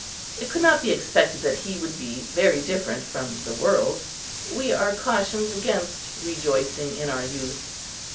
It could not be expected that he would be very different from the world. We are cautioned against "rejoicing in our youth."